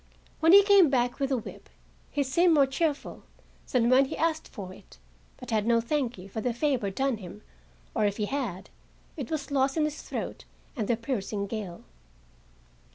When he came back with the whip he seemed more cheerful than when he asked for it, but had no "thank you" for the favor done him, or if he had, it was lost in his throat and the piercing gale.